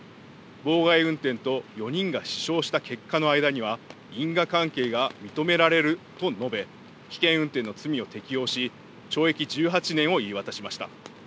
妨害運転と４人が死傷した結果の間には因果関係が認められると述べ危険運転の罪を適用し懲役１８年を言い渡しました。